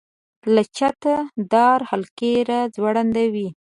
له چته د دار حلقې را ځوړندې وې.